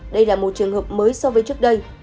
đây là một trường hợp mới so với trước đây